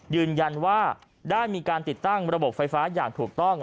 ยืนยันว่าได้มีการติดตั้งระบบไฟฟ้าอย่างถูกต้อง